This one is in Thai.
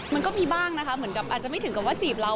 มันก็มีบ้างนะคะเหมือนกับอาจจะไม่ถึงกับว่าจีบเรา